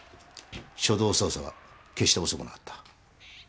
初動捜査は決して遅くなかった。